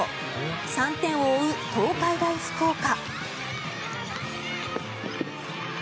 ３点を追う東海大福岡。